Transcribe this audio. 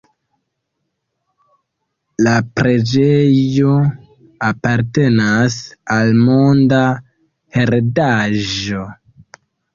La preĝejo apartenas al Monda Heredaĵo.